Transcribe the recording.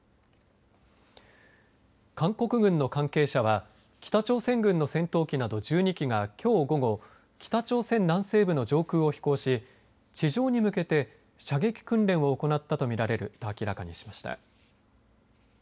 韓国軍の関係者は北朝鮮軍の戦闘機など１２機がきょう午後北朝鮮南西部の上空を飛行し地上に向けて射撃訓練を行ったと見られると明らかにしました。